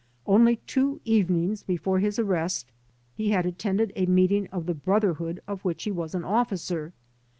Only two evenings before his arrest he had attended a meeting of the Broth erhood, of which he was an officer.